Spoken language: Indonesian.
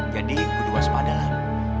jadi berdua sepadalah